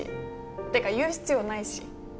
てか言う必要ないし。